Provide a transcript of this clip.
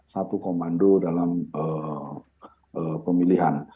satu komando dalam pemilihan